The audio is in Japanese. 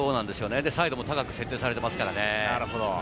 サイドも高く設定されてますからね。